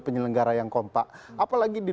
penyelenggara yang kompak apalagi di